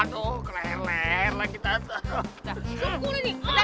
aduh keleler lagi tante